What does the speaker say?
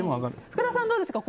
福田さんはどうですか？